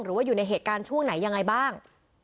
หรือว่าอยู่ในเหตุการณ์ช่วงไหนยังไงบ้าง